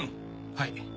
はい。